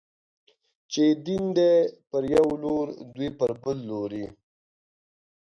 چې يې دين دی، پر يو لور دوی پر بل لوري